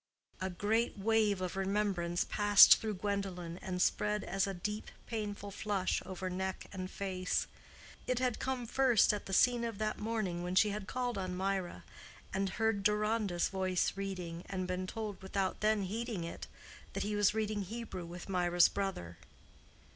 A great wave of remembrance passed through Gwendolen and spread as a deep, painful flush over neck and face. It had come first at the scene of that morning when she had called on Mirah, and heard Deronda's voice reading, and been told, without then heeding it, that he was reading Hebrew with Mirah's brother.